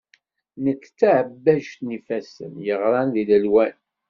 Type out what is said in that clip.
Nekk d taɛebbajt n yifassen, yeɣran di lelwan.